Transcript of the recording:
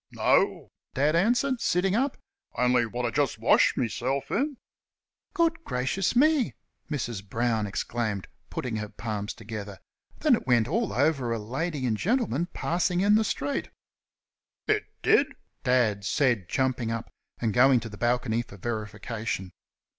"No," Dad answered, sitting up, "On'y what I jest washed meself in." "Good gracious me!" Mrs. Brown exclaimed, putting her palms together, "then it went all over a lady an' gentleman passing in the street!" "It dud?" Dad said, jumping up and going to the balcony for verification.